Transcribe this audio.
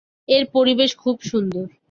এর পরিবেশ খুবই সুন্দর।